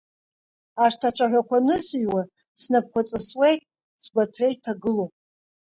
Арҭ ацәаҳәақәа анысыҩуа снапқәа ҵысуеит, сгәы аҭра иҭагылом…